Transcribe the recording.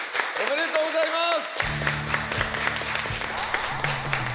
おめでとうございます！